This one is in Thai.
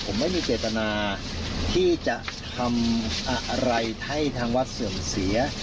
ผมไม่มีเจตนาที่จะทำอะไรให้ทางวัดเสื่อมเสีย